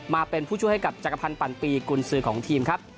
มาเป็นผู้ช่วยให้กับจักรพันธ์ปันปีกุญสือของทีมครับ